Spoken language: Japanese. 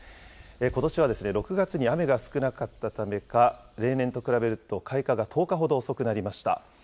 ことしは６月に雨が少なかったためか、例年と比べると開花が１０日ほど遅くなりました。